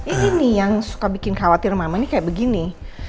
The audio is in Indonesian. ini nih yang suka bikin khawatir mama ini kayak begini